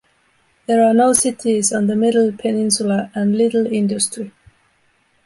There are no cities on the Middle Peninsula and little industry.